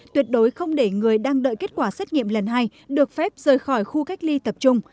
tuyệt đối không để người đang đợi kết quả xét nghiệm lần hai được phép rời khỏi khu cách ly tập trung